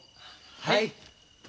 はい。